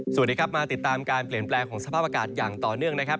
สวัสดีครับมาติดตามการเปลี่ยนแปลงของสภาพอากาศอย่างต่อเนื่องนะครับ